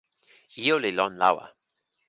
ijo li lon lawa.